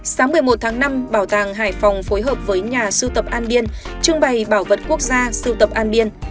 sáng một mươi một tháng năm bảo tàng hải phòng phối hợp với nhà sưu tập an biên trưng bày bảo vật quốc gia sưu tập an biên